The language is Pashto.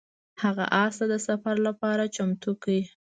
هغه اس ته د سفر لپاره چمتو کړ.